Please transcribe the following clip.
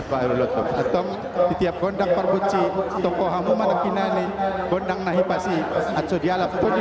atau di setiap gondang perbuci di halaman ini gondang gondang ini ada juga yang menarik